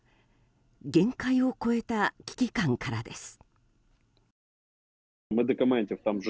限界を超えた危機感からです。